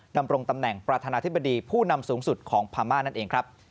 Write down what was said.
ดำรงตำแหน่งประธานาธิบดีผู้นำสูงสุดของพม่านั่นเองครับ